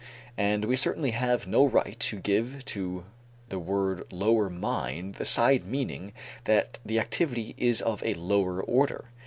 And we certainly have no right to give to the word lower mind the side meaning that the activity is of a lower order.